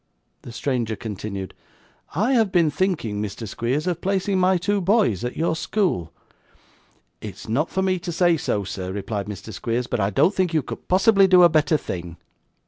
The stranger continued. 'I have been thinking, Mr. Squeers, of placing my two boys at your school.' 'It is not for me to say so, sir,' replied Mr. Squeers, 'but I don't think you could possibly do a better thing.